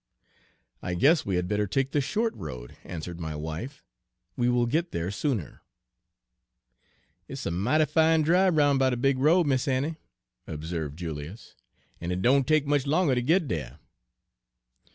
"I guess we had better take the short road," answered my wife. "We will get there sooner." "It's a mighty fine dribe roun' by de big road, Mis' Annie," observed Julius, "en it doan take much longer to git dere."